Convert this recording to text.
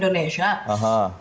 bahasa inggris sama bahasa indonesia